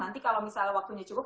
nanti kalau misalnya waktunya cukup